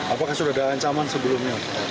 apakah sudah ada ancaman sebelumnya